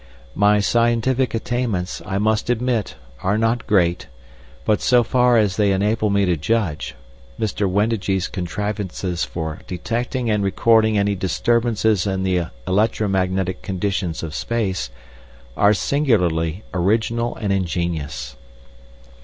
My scientific attainments, I must admit, are not great, but so far as they enable me to judge, Mr. Wendigee's contrivances for detecting and recording any disturbances in the electromagnetic conditions of space are singularly original and ingenious.